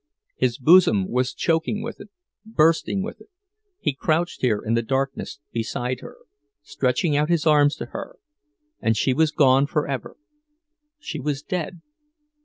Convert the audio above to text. His bosom was choking with it, bursting with it; he crouched here in the darkness beside her, stretching out his arms to her—and she was gone forever, she was dead!